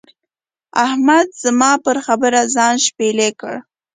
احمد زما پر خبره ځان شپېلی کړ.